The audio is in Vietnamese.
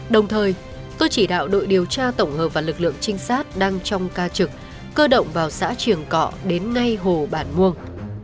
đồng thời tôi chỉ đạo đội điều tra tổng hợp và lực lượng trinh sát đang trong ca trực cơ động vào xã trường cọ đến ngay hồ bản muông